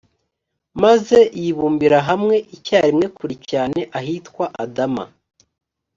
maze yibumbira hamwe icyarimwe kure cyane ahitwa adama